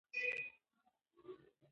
ژوند د اور د یوې لمبې په څېر دی.